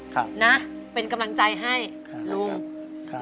ค่ะนะเป็นกำลังใจให้ลุง